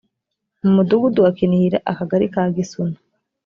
mu mudugudu wa kinihira akagari ka gisuna